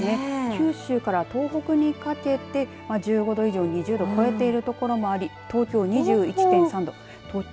九州から東北にかけて１５度以上２０度を超えている所もあり東京、２１．３度。